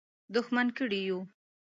دښمن کړي یو.